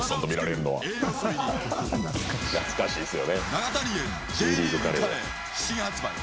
永谷園Ｊリーグカレー新発売。